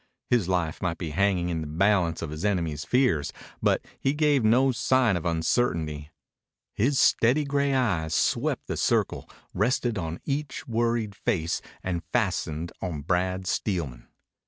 His life might be hanging in the balance of his enemies' fears, but he gave no sign of uncertainty. His steady gray eyes swept the circle, rested on each worried face, and fastened on Brad Steelman.